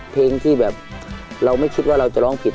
เพลงที่แบบเราไม่คิดว่าเราจะร้องผิด